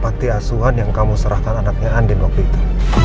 paktiasuhan yang kamu serahkan anaknya andin waktu itu